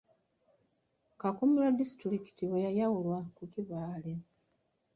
Kakumiro disitulikiti bwe yayawulwa ku Kibaale.